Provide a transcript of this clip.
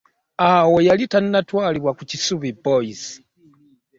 Awo yali tannatwalibwa ku Kisubi Boys.